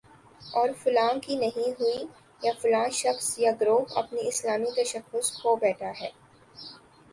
اور فلاں کی نہیں ہوئی، یا فلاں شخص یا گروہ اپنا اسلامی تشخص کھو بیٹھا ہے